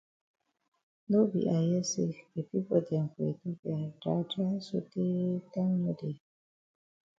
No be I hear say the pipo dem for Ethiopia dry dry so tey time no dey.